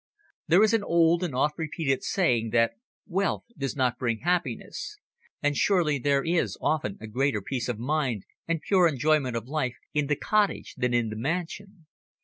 There is an old and oft repeated saying that wealth does not bring happiness, and surely there is often a greater peace of mind and pure enjoyment of life in the cottage than in the mansion.